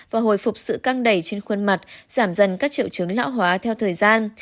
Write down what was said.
và hồi phục sự căng đẩy trên khuôn mặt giảm dần các triệu chứng lão hóa theo thời gian